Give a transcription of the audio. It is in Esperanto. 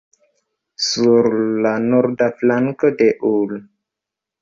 Sur la norda flanko de ul.